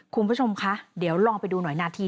คุณผู้ชมคะเดี๋ยวลองไปดูหน่อยนาที